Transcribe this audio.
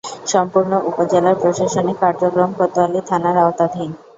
সম্পূর্ণ উপজেলার প্রশাসনিক কার্যক্রম কোতোয়ালী থানার আওতাধীন।